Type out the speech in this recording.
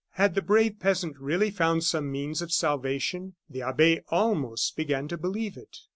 Had the brave peasant really found some means of salvation? The abbe almost began to believe it.